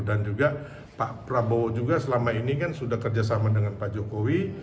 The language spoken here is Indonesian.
dan juga pak prabowo juga selama ini kan sudah kerjasama dengan pak jokowi